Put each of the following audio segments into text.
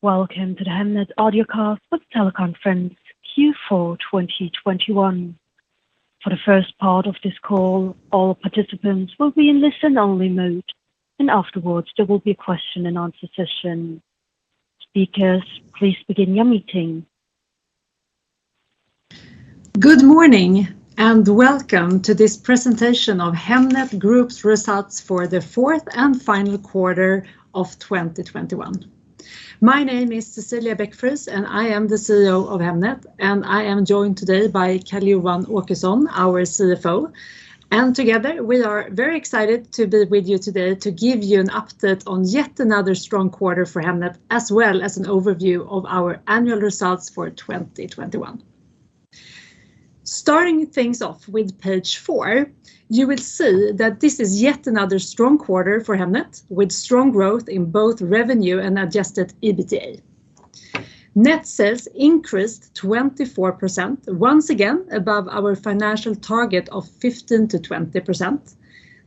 Welcome to the Hemnet audiocast with teleconference Q4 2021. For the first part of this call, all participants will be in listen-only mode, and afterwards there will be a question and answer session. Speakers, please begin your meeting. Good morning, and welcome to this presentation of Hemnet Group's results for the fourth and final quarter of 2021. My name is Cecilia Beck-Friis, and I am the CEO of Hemnet, and I am joined today by Carl Johan Åkesson, our CFO. Together we are very excited to be with you today to give you an update on yet another strong quarter for Hemnet, as well as an overview of our annual results for 2021. Starting things off with page four, you will see that this is yet another strong quarter for Hemnet, with strong growth in both revenue and adjusted EBITDA. Net sales increased 24%, once again above our financial target of 15%-20%.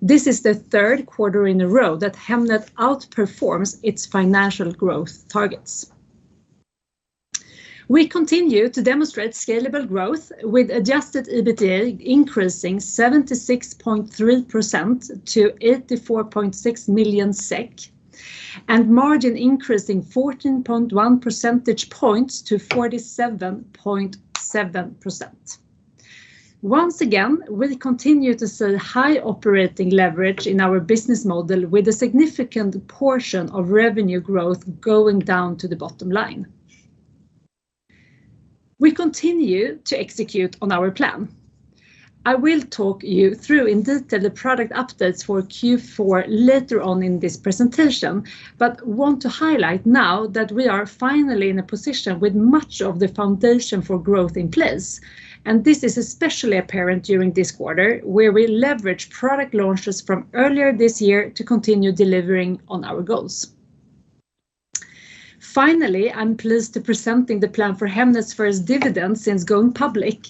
This is the third quarter in a row that Hemnet outperforms its financial growth targets. We continue to demonstrate scalable growth with adjusted EBITDA increasing 76.3% to 84.6 million SEK, and margin increasing 14.1 percentage points to 47.7%. Once again, we continue to see high operating leverage in our business model with a significant portion of revenue growth going down to the bottom line. We continue to execute on our plan. I will talk you through in detail the product updates for Q4 later on in this presentation, but want to highlight now that we are finally in a position with much of the foundation for growth in place, and this is especially apparent during this quarter where we leverage product launches from earlier this year to continue delivering on our goals. Finally, I'm pleased to presenting the plan for Hemnet's first dividend since going public.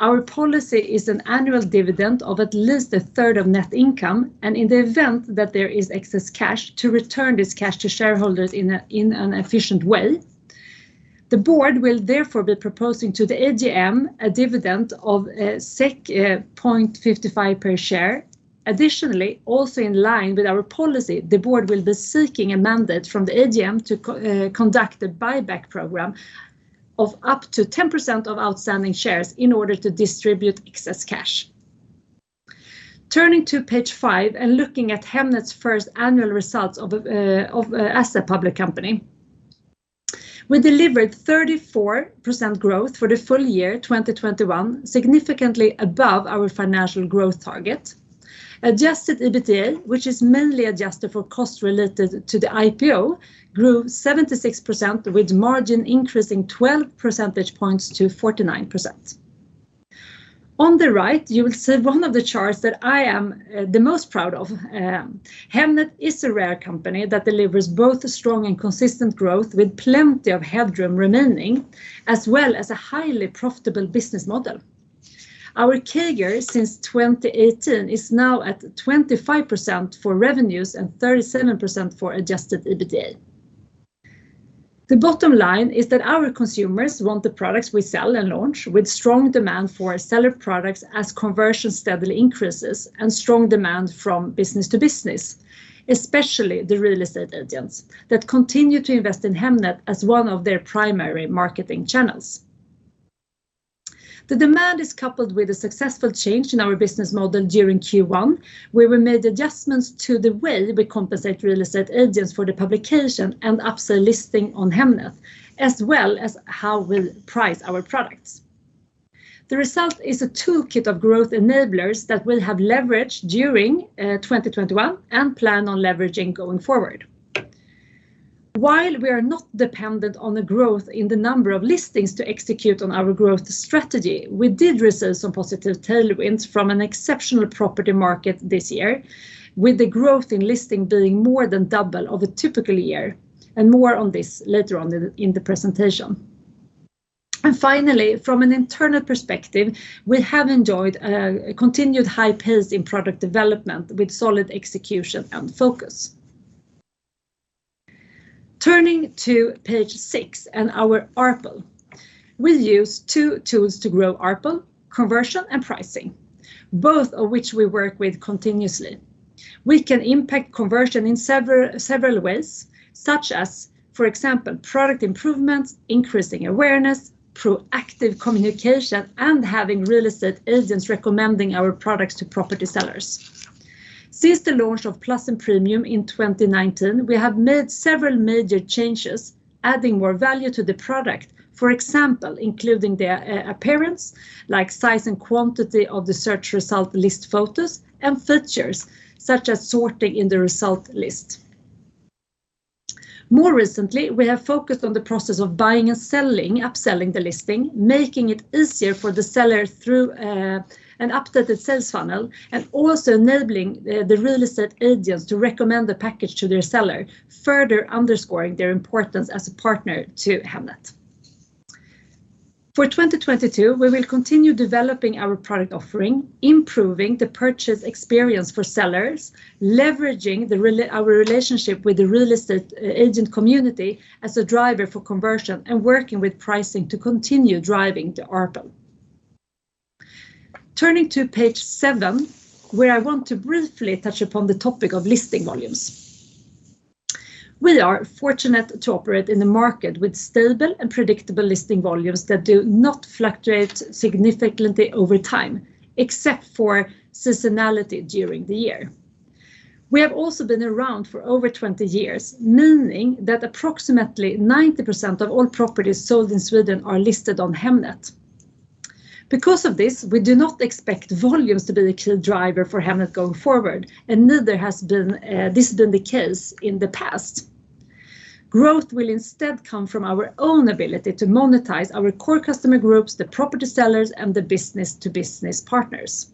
Our policy is an annual dividend of at least a third of net income, and in the event that there is excess cash, to return this cash to shareholders in an efficient way. The board will therefore be proposing to the AGM a dividend of 0.55 per share. Additionally, also in line with our policy, the board will be seeking a mandate from the AGM to conduct a buyback program of up to 10% of outstanding shares in order to distribute excess cash. Turning to page five and looking at Hemnet's first annual results as a public company. We delivered 34% growth for the full year 2021, significantly above our financial growth target. Adjusted EBITDA, which is mainly adjusted for costs related to the IPO, grew 76% with margin increasing 12 percentage points to 49%. On the right, you will see one of the charts that I am the most proud of. Hemnet is a rare company that delivers both a strong and consistent growth with plenty of headroom remaining, as well as a highly profitable business model. Our CAGR since 2018 is now at 25% for revenues and 37% for adjusted EBITDA. The bottom line is that our consumers want the products we sell and launch with strong demand for seller products as conversion steadily increases and strong demand from business to business, especially the real estate agents that continue to invest in Hemnet as one of their primary marketing channels. The demand is coupled with a successful change in our business model during Q1, where we made adjustments to the way we compensate real estate agents for the publication and upsell listing on Hemnet, as well as how we'll price our products. The result is a toolkit of growth enablers that we have leveraged during 2021 and plan on leveraging going forward. While we are not dependent on the growth in the number of listings to execute on our growth strategy, we did receive some positive tailwinds from an exceptional property market this year, with the growth in listing being more than double of a typical year. More on this later on in the presentation. Finally, from an internal perspective, we have enjoyed a continued high pace in product development with solid execution and focus. Turning to page six and our ARPU, we'll use two tools to grow ARPU, conversion and pricing, both of which we work with continuously. We can impact conversion in several ways, such as, for example, product improvements, increasing awareness, proactive communication, and having real estate agents recommending our products to property sellers. Since the launch of Plus and Premium in 2019, we have made several major changes, adding more value to the product. For example, including the appearance, like size and quantity of the search result list photos, and features, such as sorting in the result list. More recently, we have focused on the process of buying and selling, upselling the listing, making it easier for the seller through an updated sales funnel, and also enabling the real estate agents to recommend the package to their seller, further underscoring their importance as a partner to Hemnet. For 2022, we will continue developing our product offering, improving the purchase experience for sellers, leveraging our relationship with the real estate agent community as a driver for conversion, and working with pricing to continue driving the ARPA. Turning to page seven, where I want to briefly touch upon the topic of listing volumes. We are fortunate to operate in the market with stable and predictable listing volumes that do not fluctuate significantly over time, except for seasonality during the year. We have also been around for over 20 years, meaning that approximately 90% of all properties sold in Sweden are listed on Hemnet. Because of this, we do not expect volumes to be the key driver for Hemnet going forward, and neither has been, this has been the case in the past. Growth will instead come from our own ability to monetize our core customer groups, the property sellers, and the business-to-business partners.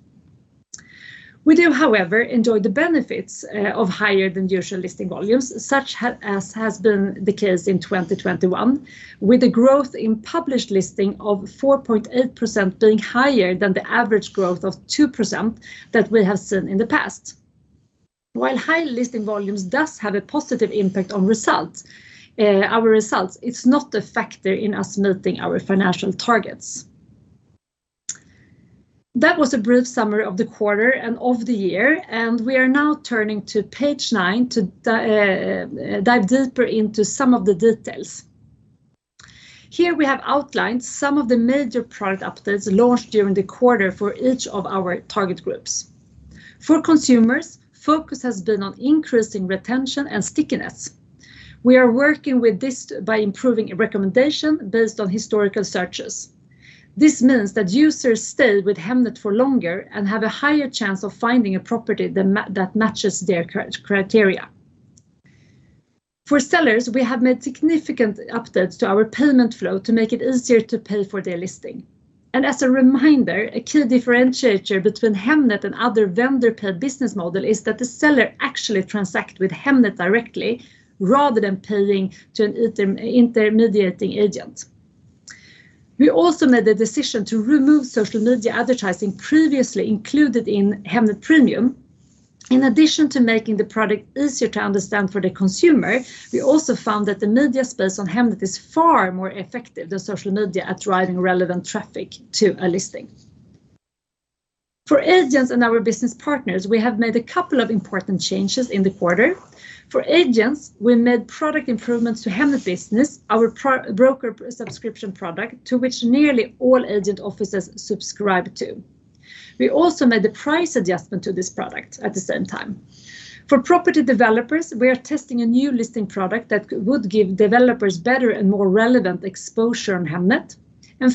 We do, however, enjoy the benefits, of higher than usual listing volumes, as has been the case in 2021, with the growth in published listing of 4.8% being higher than the average growth of 2% that we have seen in the past. While high listing volumes does have a positive impact on results, our results, it's not a factor in us meeting our financial targets. That was a brief summary of the quarter and of the year, and we are now turning to page nine to dive deeper into some of the details. Here we have outlined some of the major product updates launched during the quarter for each of our target groups. For consumers, focus has been on increasing retention and stickiness. We are working with this by improving a recommendation based on historical searches. This means that users stay with Hemnet for longer and have a higher chance of finding a property that matches their criteria. For sellers, we have made significant updates to our payment flow to make it easier to pay for their listing. As a reminder, a key differentiator between Hemnet and other vendor-paid business model is that the seller actually transact with Hemnet directly, rather than paying to an intermediating agent. We also made the decision to remove social media advertising previously included in Hemnet Premium. In addition to making the product easier to understand for the consumer, we also found that the media space on Hemnet is far more effective than social media at driving relevant traffic to a listing. For agents and our business partners, we have made a couple of important changes in the quarter. For agents, we made product improvements to Hemnet Business, our pro-broker subscription product, to which nearly all agent offices subscribe to. We also made the price adjustment to this product at the same time. For property developers, we are testing a new listing product that would give developers better and more relevant exposure on Hemnet.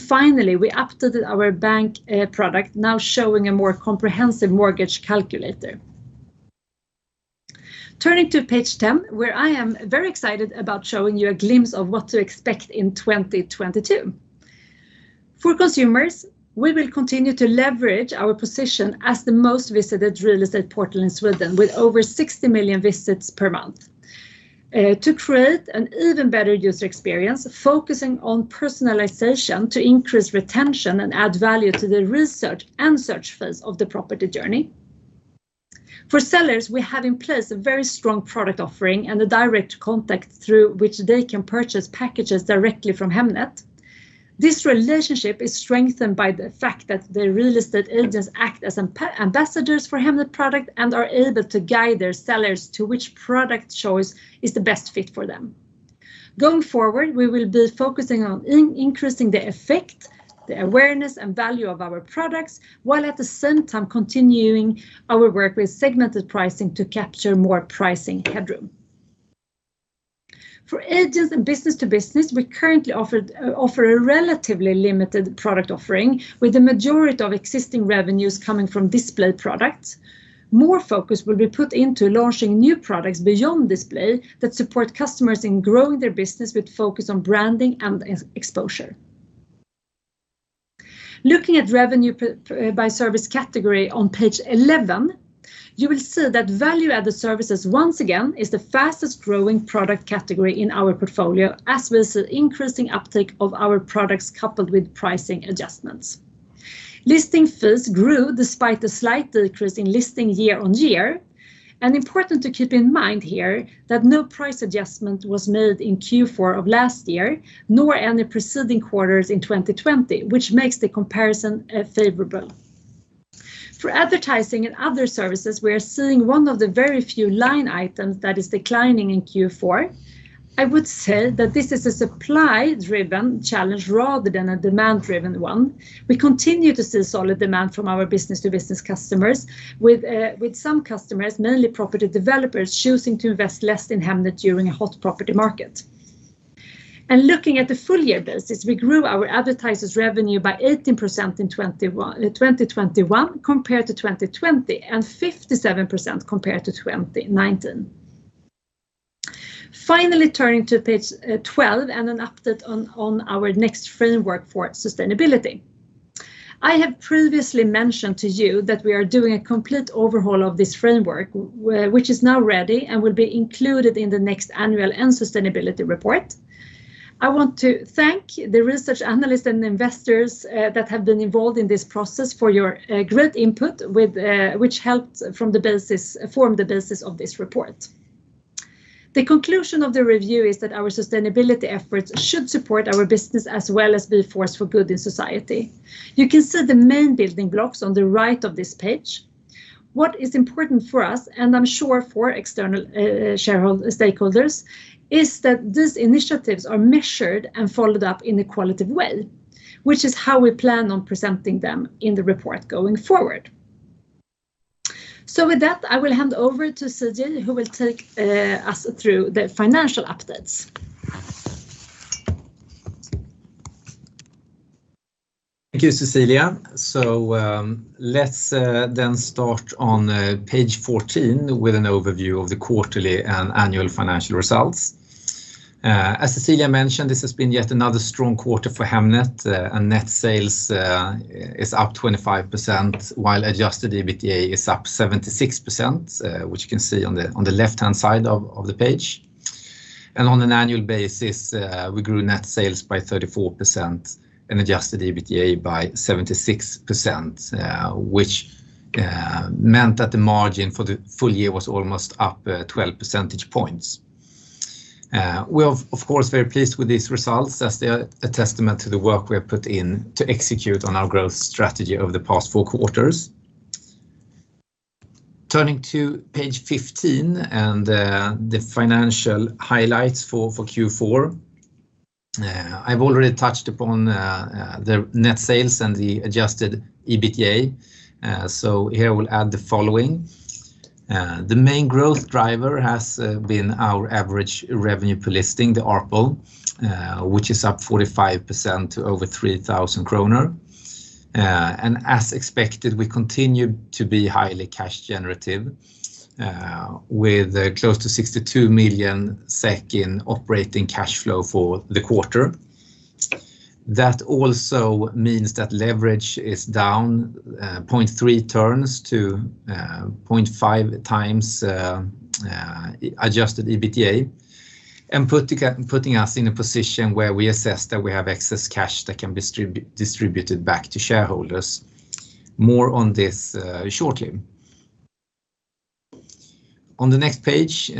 Finally, we updated our banking product, now showing a more comprehensive mortgage calculator. Turning to page 10, where I am very excited about showing you a glimpse of what to expect in 2022. For consumers, we will continue to leverage our position as the most visited real estate portal in Sweden, with over 60 million visits per month to create an even better user experience, focusing on personalization to increase retention and add value to the research and search phase of the property journey. For sellers, we have in place a very strong product offering and a direct contact through which they can purchase packages directly from Hemnet. This relationship is strengthened by the fact that the real estate agents act as ambassadors for Hemnet product and are able to guide their sellers to which product choice is the best fit for them. Going forward, we will be focusing on increasing the effect, the awareness, and value of our products, while at the same time continuing our work with segmented pricing to capture more pricing headroom. For agents and business to business, we currently offer a relatively limited product offering, with the majority of existing revenues coming from display products. More focus will be put into launching new products beyond display that support customers in growing their business with focus on branding and exposure. Looking at revenue by service category on page 11, you will see that value-added services, once again, is the fastest growing product category in our portfolio, as we see increasing uptick of our products coupled with pricing adjustments. Listing fees grew despite the slight decrease in listing year-on-year. Important to keep in mind here that no price adjustment was made in Q4 of last year, nor any preceding quarters in 2020, which makes the comparison favorable. For advertising and other services, we are seeing one of the very few line items that is declining in Q4. I would say that this is a supply-driven challenge rather than a demand-driven one. We continue to see solid demand from our business-to-business customers, with some customers, mainly property developers, choosing to invest less in Hemnet during a hot property market. Looking at the full year basis, we grew our advertiser's revenue by 18% in 2021 compared to 2020, and 57% compared to 2019. Finally, turning to page 12, and an update on our next framework for sustainability. I have previously mentioned to you that we are doing a complete overhaul of this framework, which is now ready and will be included in the next annual and sustainability report. I want to thank the research analysts and investors that have been involved in this process for your great input, which helped form the basis of this report. The conclusion of the review is that our sustainability efforts should support our business as well as be a force for good in society. You can see the main building blocks on the right of this page. What is important for us, and I'm sure for external shareholder stakeholders, is that these initiatives are measured and followed up in a qualitative way, which is how we plan on presenting them in the report going forward. With that, I will hand over to Carl Johan Åkesson, who will take us through the financial updates. Thank you, Cecilia. Let's start on page 14 with an overview of the quarterly and annual financial results. As Cecilia mentioned, this has been yet another strong quarter for Hemnet, and net sales is up 25%, while adjusted EBITDA is up 76%, which you can see on the left-hand side of the page. On an annual basis, we grew net sales by 34% and adjusted EBITDA by 76%, which meant that the margin for the full year was almost up 12 percentage points. We are, of course, very pleased with these results as they are a testament to the work we have put in to execute on our growth strategy over the past four quarters. Turning to page 15 and the financial highlights for Q4. I've already touched upon the net sales and the adjusted EBITDA, so here we'll add the following. The main growth driver has been our average revenue per listing, the ARPL, which is up 45% to over 3,000 kronor. As expected, we continue to be highly cash generative with close to 62 million in operating cash flow for the quarter. That also means that leverage is down 0.3 turns to SEK 0.5 adjusted EBITDA, and putting us in a position where we assess that we have excess cash that can be distributed back to shareholders. More on this shortly. On the next page,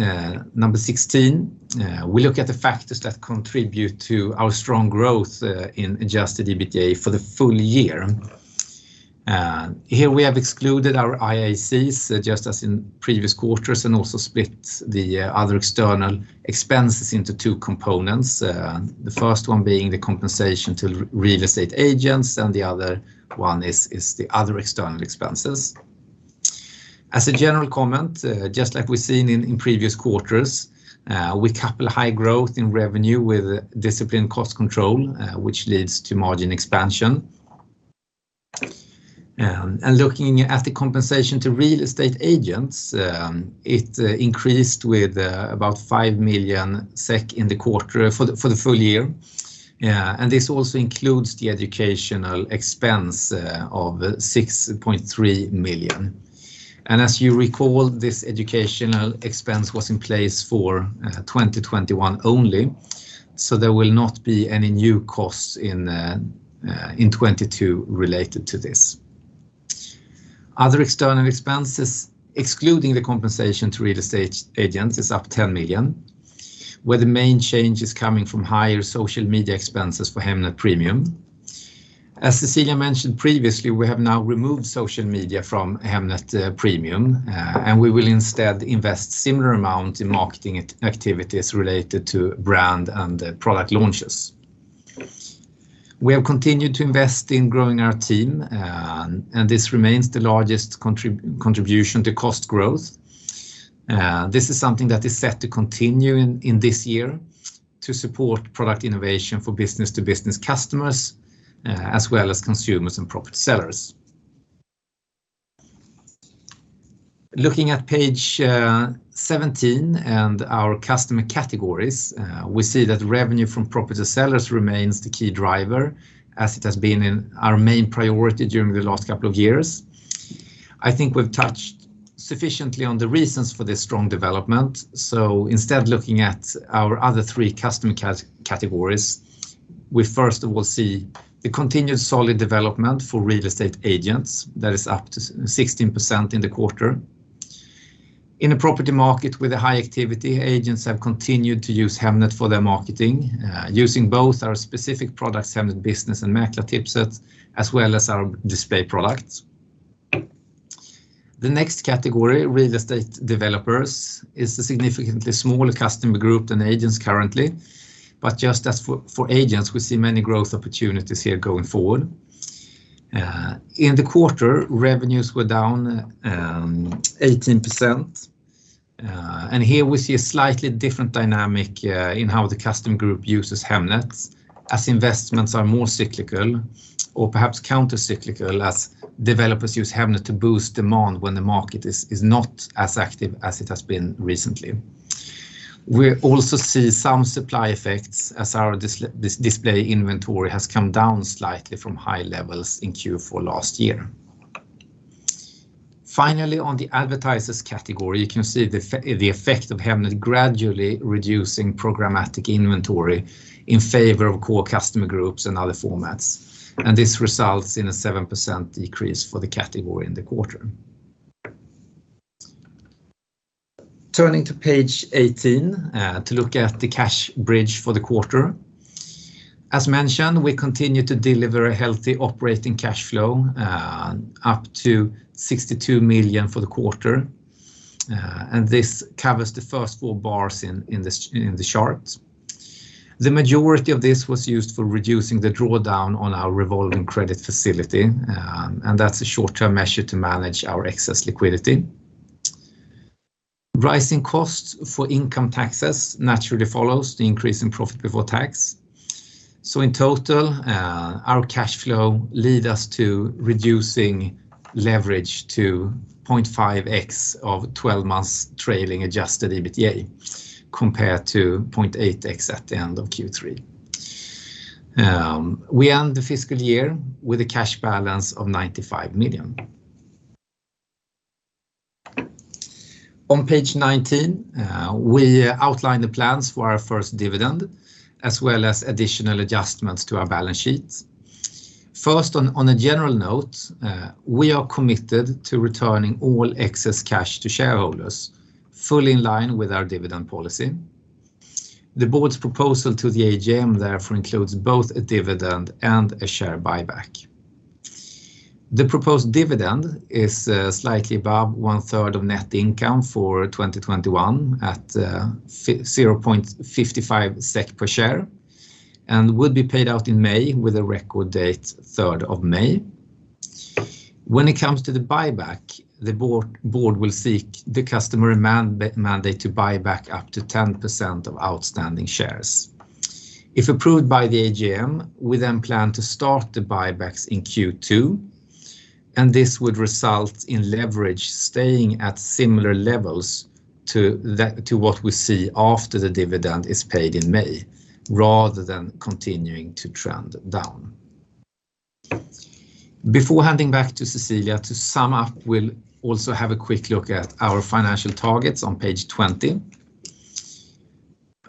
number 16, we look at the factors that contribute to our strong growth in adjusted EBITDA for the full year. Here we have excluded our IACs, just as in previous quarters, and also split the other external expenses into two components. The first one being the compensation to real estate agents, and the other one is the other external expenses. As a general comment, just like we've seen in previous quarters, we couple high growth in revenue with disciplined cost control, which leads to margin expansion. Looking at the compensation to real estate agents, it increased with about 5 million SEK in the quarter for the full year. This also includes the educational expense of 6.3 million. As you recall, this educational expense was in place for 2021 only, so there will not be any new costs in 2022 related to this. Other external expenses, excluding the compensation to real estate agents, is up 10 million, where the main change is coming from higher social media expenses for Hemnet Premium. As Cecilia mentioned previously, we have now removed social media from Hemnet Premium, and we will instead invest similar amount in marketing activities related to brand and product launches. We have continued to invest in growing our team, and this remains the largest contribution to cost growth. This is something that is set to continue in this year to support product innovation for business-to-business customers, as well as consumers and property sellers. Looking at page 17 and our customer categories, we see that revenue from property sellers remains the key driver, as it has been in our main priority during the last couple of years. I think we've touched sufficiently on the reasons for this strong development. Instead of looking at our other three customer categories, we first will see the continued solid development for real estate agents. That is up 16% in the quarter. In a property market with high activity, agents have continued to use Hemnet for their marketing, using both our specific products, Hemnet Business and Mäklartipset, as well as our display products. The next category, real estate developers, is a significantly smaller customer group than agents currently. Just as for agents, we see many growth opportunities here going forward. In the quarter, revenues were down 18%. Here we see a slightly different dynamic in how the customer group uses Hemnet, as investments are more cyclical or perhaps counter-cyclical, as developers use Hemnet to boost demand when the market is not as active as it has been recently. We also see some supply effects as our display inventory has come down slightly from high levels in Q4 last year. Finally, on the advertisers category, you can see the effect of Hemnet gradually reducing programmatic inventory in favor of core customer groups and other formats, and this results in a 7% decrease for the category in the quarter. Turning to page 18 to look at the cash bridge for the quarter. As mentioned, we continue to deliver a healthy operating cash flow, up to 62 million for the quarter, and this covers the first four bars in the chart. The majority of this was used for reducing the drawdown on our revolving credit facility, and that's a short-term measure to manage our excess liquidity. Rising costs for income taxes naturally follows the increase in profit before tax. In total, our cash flow led us to reducing leverage to 0.5x 12 months trailing adjusted EBITDA compared to 0.8x at the end of Q3. We end the fiscal year with a cash balance of 95 million. On page 19, we outline the plans for our first dividend as well as additional adjustments to our balance sheets. First, on a general note, we are committed to returning all excess cash to shareholders, fully in line with our dividend policy. The board's proposal to the AGM therefore includes both a dividend and a share buyback. The proposed dividend is slightly above one-third of net income for 2021 at 0.55 SEK per share and would be paid out in May with a record date 3rd of May. When it comes to the buyback, the board will seek the customary mandate to buy back up to 10% of outstanding shares. If approved by the AGM, we then plan to start the buybacks in Q2, and this would result in leverage staying at similar levels to what we see after the dividend is paid in May rather than continuing to trend down. Before handing back to Cecilia, to sum up, we'll also have a quick look at our financial targets on page 20.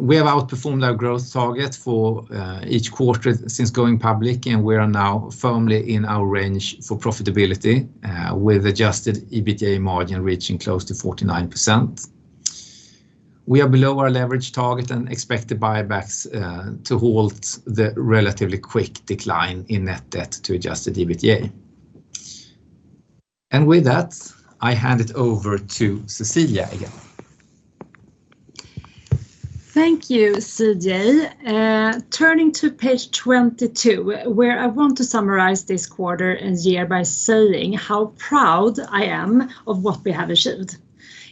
We have outperformed our growth target for each quarter since going public, and we are now firmly in our range for profitability with adjusted EBITDA margin reaching close to 49%. We are below our leverage target and expect the buybacks to halt the relatively quick decline in net debt to adjusted EBITDA. With that, I hand it over to Cecilia again. Thank you, CJ. Turning to page 22, where I want to summarize this quarter and year by saying how proud I am of what we have achieved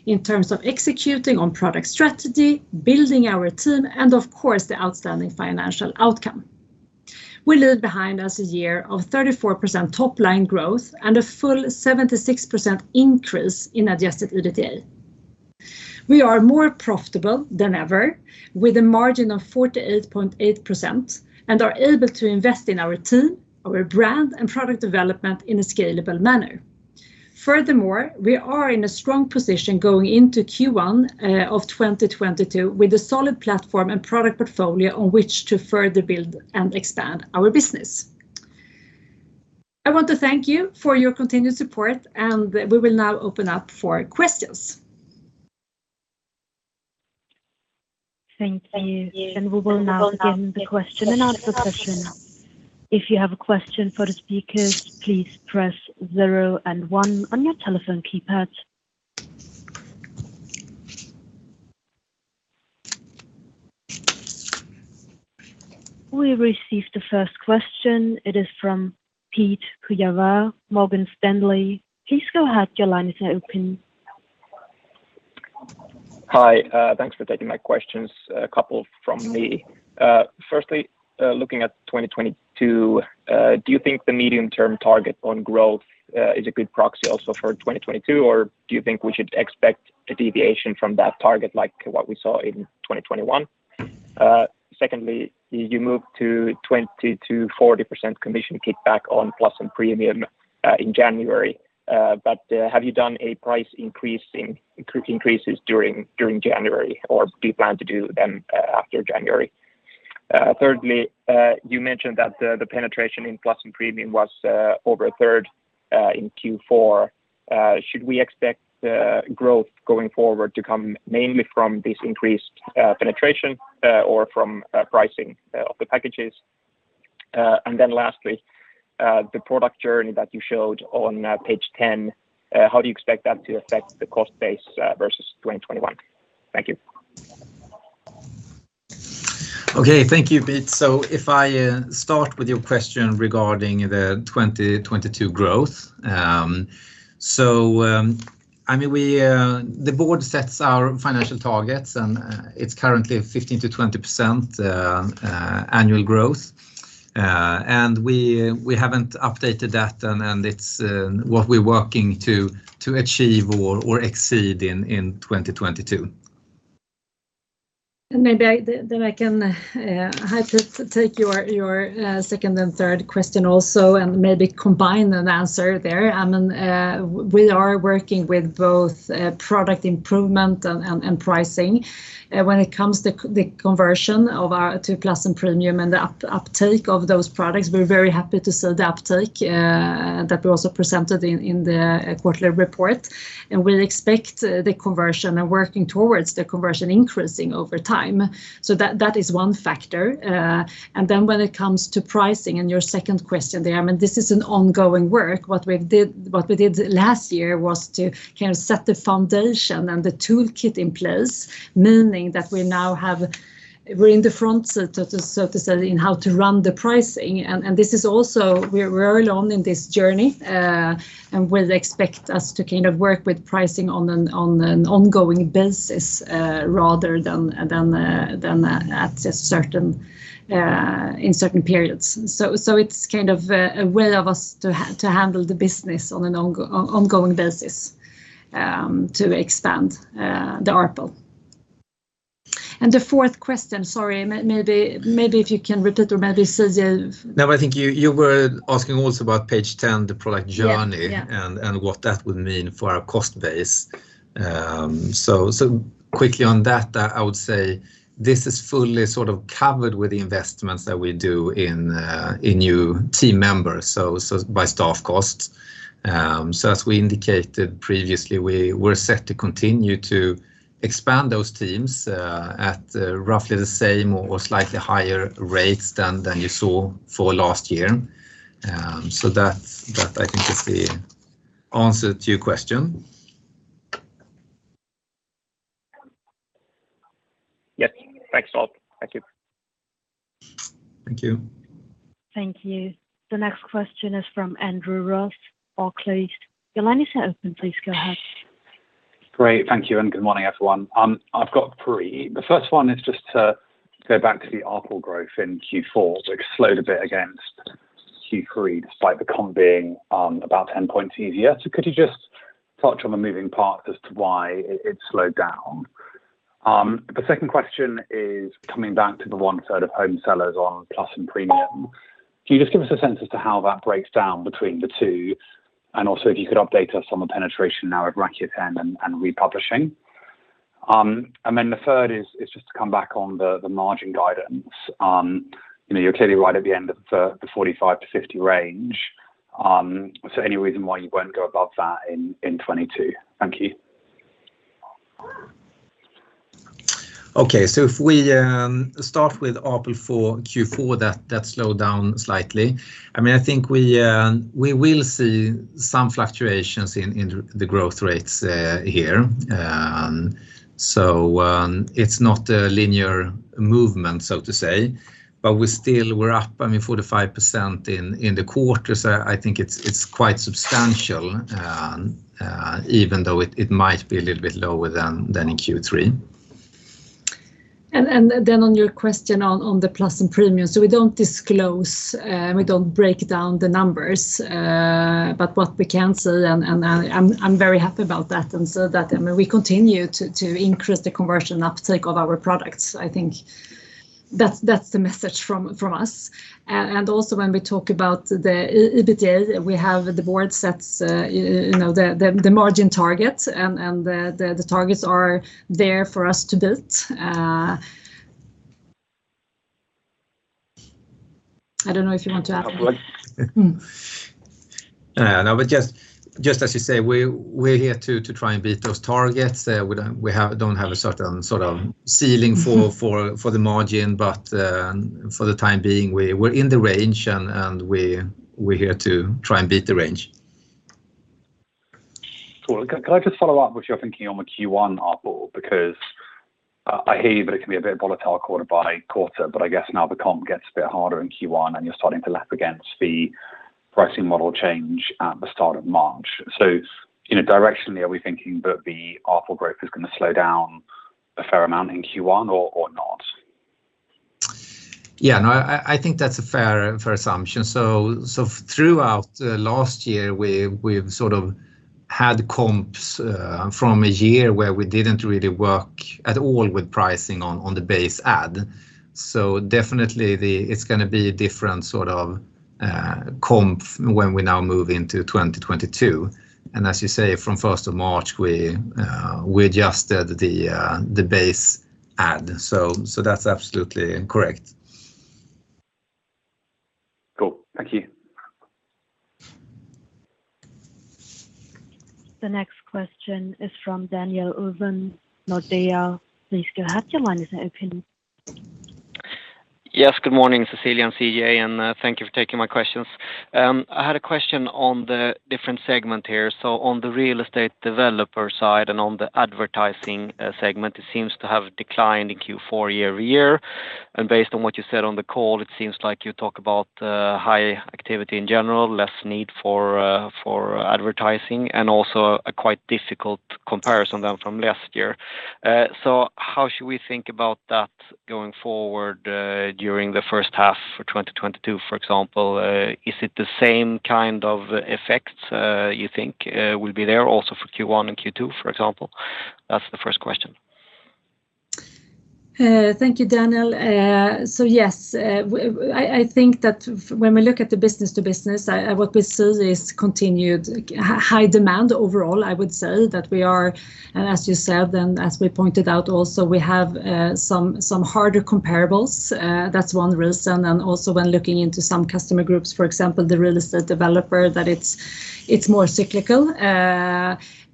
in terms of executing on product strategy, building our team, and of course, the outstanding financial outcome. We leave behind us a year of 34% top-line growth and a full 76% increase in adjusted EBITDA. We are more profitable than ever with a margin of 48.8% and are able to invest in our team, our brand, and product development in a scalable manner. Furthermore, we are in a strong position going into Q1 of 2022 with a solid platform and product portfolio on which to further build and expand our business. I want to thank you for your continued support, and we will now open up for questions. Thank you. We will now begin the question and answer session. If you have a question for the speakers, please press 0 and 1 on your telephone keypad. We receive the first question. It is from Pete-Veikko Kujala, Morgan Stanley. Please go ahead. Your line is now open. Hi, thanks for taking my questions, a couple from me. Firstly, looking at 2022, do you think the medium-term target on growth is a good proxy also for 2022? Or do you think we should expect a deviation from that target like what we saw in 2021? Secondly, you moved to 20%-40% commission kickback on Plus and Premium in January. Have you done a price increases during January or do you plan to do them after January? Thirdly, you mentioned that the penetration in Plus and Premium was over a third in Q4. Should we expect growth going forward to come mainly from this increased penetration or from pricing of the packages? Lastly, the product journey that you showed on page 10, how do you expect that to affect the cost base versus 2021? Thank you. Okay, thank you, Pete. If I start with your question regarding the 2022 growth, I mean, the board sets our financial targets, and it's currently 15%-20% annual growth. We haven't updated that, and it's what we're working to achieve or exceed in 2022. I can take your second and third question also, and maybe combine an answer there. I mean, we are working with both product improvement and pricing. When it comes to the conversion of our Plus and Premium and the uptake of those products, we're very happy to see the uptake that we also presented in the quarterly report. We expect the conversion and working towards the conversion increasing over time. That is one factor. And then when it comes to pricing and your second question there, I mean, this is an ongoing work. What we did last year was to kind of set the foundation and the toolkit in place, meaning that we now have. We're in the front, so to say, in how to run the pricing. This is also where we're early on in this journey, and we expect to kind of work with pricing on an ongoing basis, rather than in certain periods. It's kind of a way for us to handle the business on an ongoing basis to expand the ARPU. The fourth question, sorry, maybe if you can repeat or maybe Cecilia. No, I think you were asking also about page 10, the product journey. Yeah, yeah What that would mean for our cost base. Quickly on that, I would say this is fully sort of covered with the investments that we do in new team members by staff costs. As we indicated previously, we're set to continue to expand those teams at roughly the same or slightly higher rates than you saw for last year. I think that is the answer to your question. Yep. Thanks all. Thank you. Thank you. Thank you. The next question is from Andrew Ross, Barclays. Your line is open, please go ahead. Great, thank you, and good morning, everyone. I've got three. The first one is just to go back to the ARPU growth in Q4, which slowed a bit against Q3, despite the comp being about 10 points easier. Could you just touch on the moving parts as to why it slowed down? The second question is coming back to the one third of home sellers on Plus and Premium. Can you just give us a sense as to how that breaks down between the two? Also if you could update us on the penetration now at Raketen and Republishing. The third is just to come back on the margin guidance. You know, you're clearly right at the end of the 45%-50% range. Any reason why you won't go above that in 2022? Thank you. Okay. If we start with ARPU for Q4, that slowed down slightly. I mean, I think we will see some fluctuations in the growth rates here. It's not a linear movement, so to say, but we're still up, I mean, 45% in the quarter. I think it's quite substantial even though it might be a little bit lower than in Q3. Then on your question on the Plus and Premium. We don't disclose, we don't break down the numbers, but what we can say, and I'm very happy about that, I mean, we continue to increase the conversion uptake of our products. I think that's the message from us. Also when we talk about the EBITDA, we have the board sets, you know, the margin targets and the targets are there for us to build. I don't know if you want to add. No. Just as you say, we're here to try and beat those targets. We don't have a certain sort of ceiling for the margin. For the time being, we're in the range and we're here to try and beat the range. Cool. Can I just follow up what you're thinking on the Q1 ARPU? Because I hear you, but it can be a bit volatile quarter by quarter, but I guess now the comp gets a bit harder in Q1, and you're starting to lap against the pricing model change at the start of March. You know, directionally, are we thinking that the ARPU growth is gonna slow down a fair amount in Q1 or not? Yeah. No, I think that's a fair assumption. Throughout last year, we've sort of had comps from a year where we didn't really work at all with pricing on the base ad. Definitely it's gonna be a different sort of comp when we now move into 2022. As you say, from first of March, we adjusted the base ad. So that's absolutely correct. Cool. Thank you. The next question is from Daniel Ohlvén, Nordea. Please go ahead. Your line is open. Yes. Good morning, Cecilia and CJ, and thank you for taking my questions. I had a question on the different segment here. On the real estate developer side and on the advertising segment, it seems to have declined in Q4 year-over-year. Based on what you said on the call, it seems like you talk about high activity in general, less need for advertising and also a quite difficult comparison than from last year. How should we think about that going forward during the first half for 2022, for example? Is it the same kind of effects you think will be there also for Q1 and Q2, for example? That's the first question. Thank you, Daniel. Yes, I think that when we look at the business to business, what we see is continued high demand overall. I would say that we are, and as you said, then as we pointed out, also we have some harder comparables. That's one reason. Also when looking into some customer groups, for example, the real estate developer, that it's more cyclical.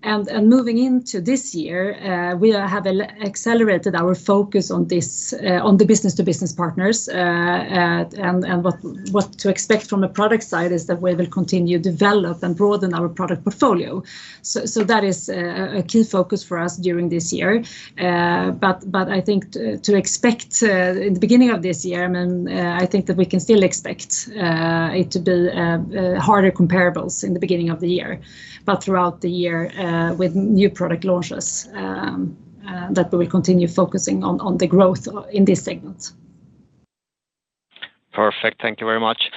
And moving into this year, we have accelerated our focus on this, on the business to business partners. And what to expect from the product side is that we will continue to develop and broaden our product portfolio. That is a key focus for us during this year. I mean, I think that we can still expect it to be harder comparables in the beginning of the year, but throughout the year, with new product launches, that we will continue focusing on the growth in these segments. Perfect. Thank you very much.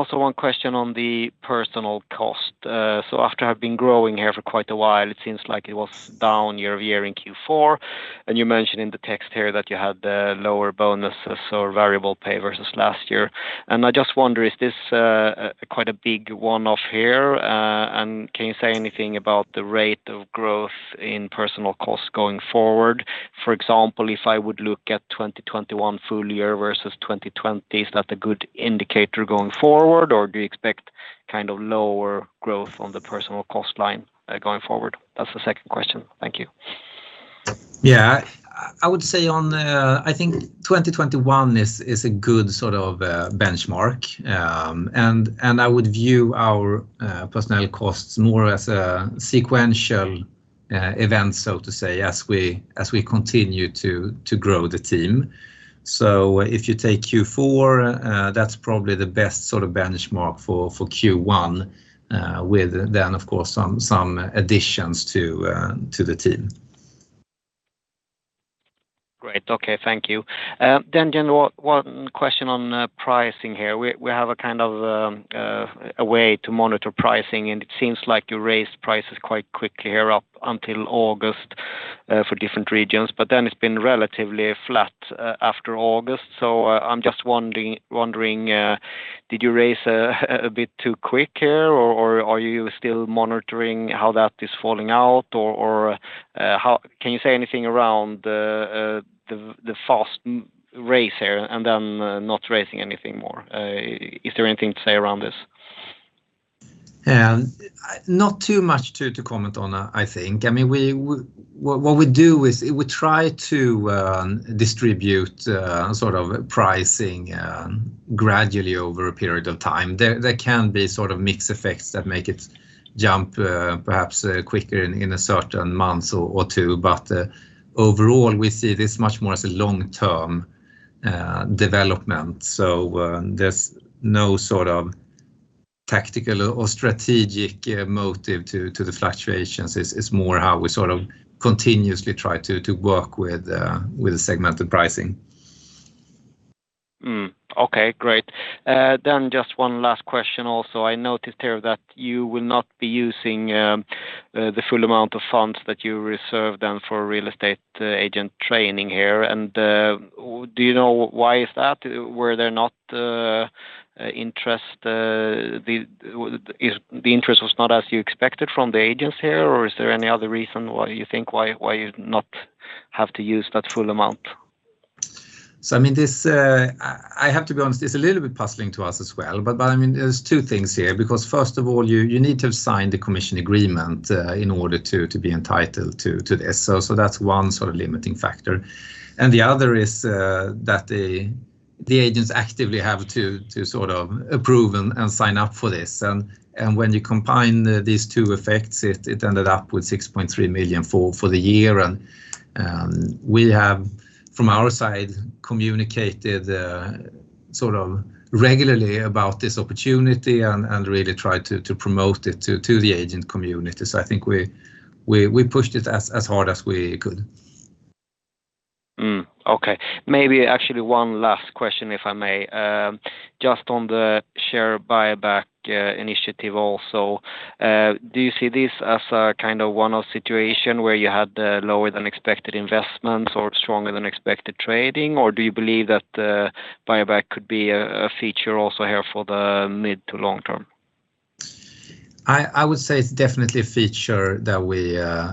Also one question on the personnel costs. After having been growing here for quite a while, it seems like it was down year-over-year in Q4. You mentioned in the text here that you had the lower bonuses, so variable pay versus last year. I just wonder, is this quite a big one-off here? Can you say anything about the rate of growth in personnel costs going forward? For example, if I would look at 2021 full year versus 2020, is that a good indicator going forward, or do you expect kind of lower growth on the personnel cost line going forward? That's the second question. Thank you. Yeah. I would say on, I think 2021 is a good sort of benchmark. I would view our personnel costs more as a sequential event, so to say, as we continue to grow the team. If you take Q4, that's probably the best sort of benchmark for Q1, with then of course, some additions to the team. Great. Okay. Thank you. Johan, one question on pricing here. We have a kind of a way to monitor pricing, and it seems like you raised prices quite quickly here up until August for different regions, but then it's been relatively flat after August. I'm just wondering, did you raise a bit too quick here, or are you still monitoring how that is falling out, or how can you say anything around the fast raise here and then not raising anything more? Is there anything to say around this? Yeah. Not too much to comment on, I think. I mean, what we do is we try to distribute sort of pricing gradually over a period of time. There can be sort of mixed effects that make it jump perhaps quicker in a certain month or two. Overall, we see this much more as a long-term development. There's no sort of tactical or strategic motive to the fluctuations. It's more how we sort of continuously try to work with segmented pricing. Okay, great. Just one last question also. I noticed here that you will not be using the full amount of funds that you reserved them for real estate agent training here. Do you know why is that? Is the interest was not as you expected from the agents here, or is there any other reason why you think you not have to use that full amount? I mean, this, I have to be honest, it's a little bit puzzling to us as well. I mean, there's two things here, because first of all, you need to sign the commission agreement in order to be entitled to this. That's one sort of limiting factor. The other is that the agents actively have to sort of approve and sign up for this. When you combine these two effects, it ended up with 6.3 million for the year. We have, from our side, communicated sort of regularly about this opportunity and really tried to promote it to the agent community. I think we pushed it as hard as we could. Okay. Maybe actually one last question, if I may. Just on the share buyback initiative also. Do you see this as a kind of one-off situation where you had lower than expected investments or stronger than expected trading? Or do you believe that buyback could be a feature also here for the mid to long term? I would say it's definitely a feature that we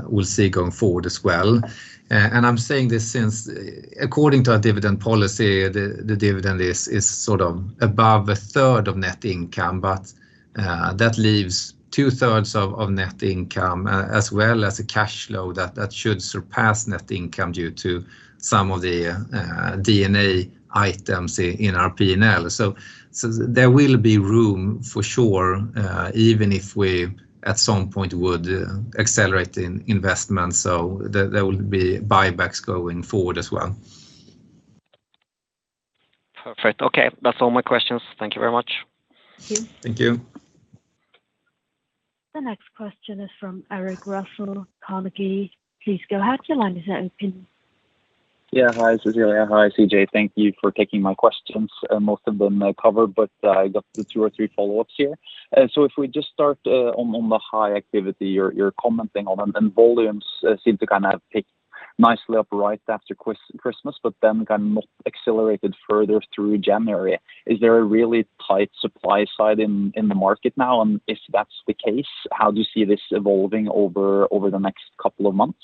will see going forward as well. I'm saying this since, according to our dividend policy, the dividend is sort of above a third of net income, but that leaves two thirds of net income as well as a cash flow that should surpass net income due to some of the D&A items in our P&L. There will be room for sure, even if we at some point would accelerate in investment. There will be buybacks going forward as well. Perfect. Okay. That's all my questions. Thank you very much. Thank you. The next question is from Eirik Rafdal, Carnegie. Please go ahead. Your line is open. Yeah. Hi, Cecilia. Hi, CJ. Thank you for taking my questions. Most of them are covered, but I got two or three follow-ups here. If we just start on the high activity you're commenting on, and volumes seem to kind of have picked up nicely right after Christmas, but then kind of accelerated further through January. Is there a really tight supply side in the market now? If that's the case, how do you see this evolving over the next couple of months?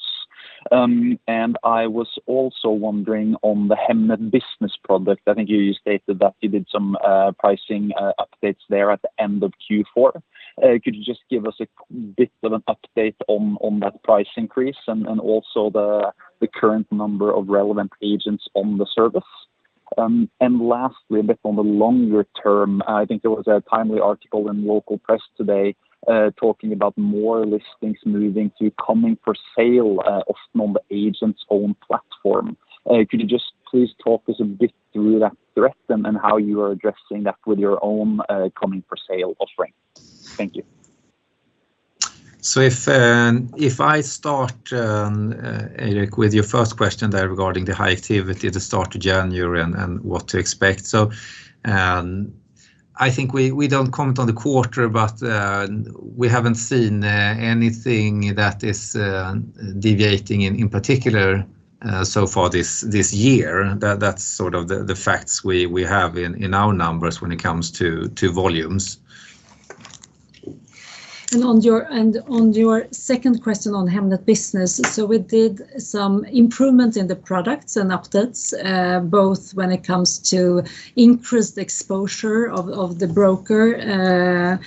I was also wondering on the Hemnet Business product. I think you stated that you did some pricing updates there at the end of Q4. Could you just give us a bit of an update on that price increase and also the current number of relevant agents on the service? Lastly, a bit on the longer term, I think there was a timely article in local press today, talking about more listings moving to coming for sale, often on the agent's own platform. Could you just please talk us a bit through that threat and how you are addressing that with your own coming for sale offering? Thank you. If I start, Eirik, with your first question there regarding the high activity at the start of January and what to expect. I think we don't comment on the quarter, but we haven't seen anything that is deviating in particular so far this year. That's sort of the facts we have in our numbers when it comes to volumes. On your second question on Hemnet Business, we did some improvement in the products and updates, both when it comes to increased exposure of the broker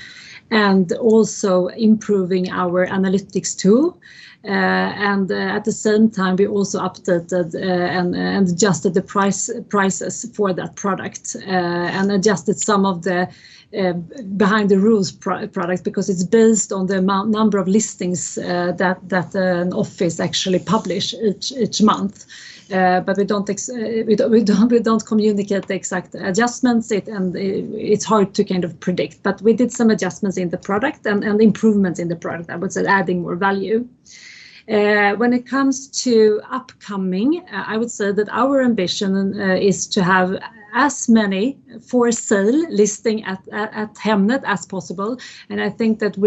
and also improving our analytics tool. At the same time, we also updated and adjusted the prices for that product and adjusted some of the behind the rules product because it's based on the number of listings that an office actually publish each month. We don't communicate the exact adjustments. It's hard to kind of predict, but we did some adjustments in the product and improvements in the product, I would say adding more value. When it comes to upcoming, I would say that our ambition is to have as many for sale listing at Hemnet as possible. I think that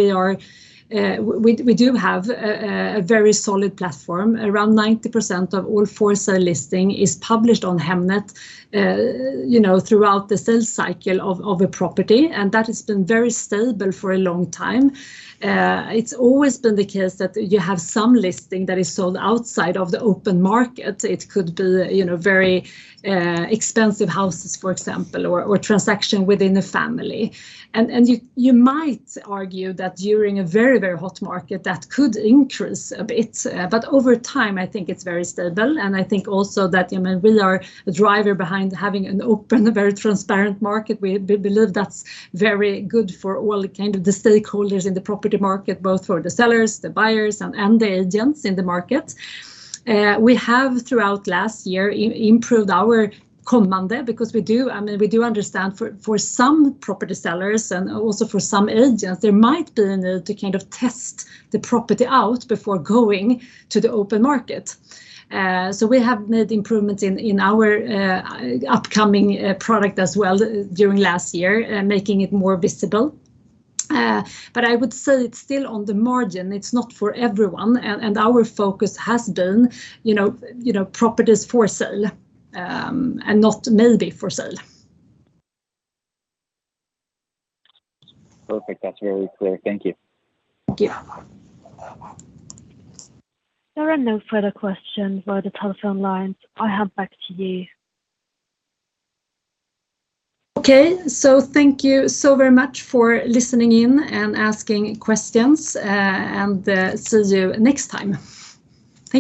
we do have a very solid platform. Around 90% of all for sale listing is published on Hemnet, you know, throughout the sales cycle of a property. That has been very stable for a long time. It's always been the case that you have some listing that is sold outside of the open market. It could be, you know, very expensive houses, for example, or transaction within the family. You might argue that during a very hot market, that could increase a bit. Over time, I think it's very stable, and I think also that, you know, we are a driver behind having an open, very transparent market. We believe that's very good for all kinds of stakeholders in the property market, both for the sellers, the buyers and the agents in the market. We have throughout last year improved our coming because we do, I mean, we do understand for some property sellers and also for some agents, there might be a need to kind of test the property out before going to the open market. We have made improvements in our upcoming product as well during last year, making it more visible. I would say it's still on the margin. It's not for everyone. our focus has been, you know, properties for sale, and not maybe for sale. Perfect. That's very clear. Thank you. Thank you. There are no further questions by the telephone lines. I hand back to you. Okay. Thank you so very much for listening in and asking questions and see you next time. Thank you.